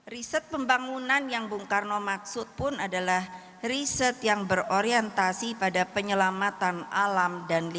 riset pembangunan yang bung karno maksud pun adalah riset yang berorientasi pada penyelamatan alam dan lingkungan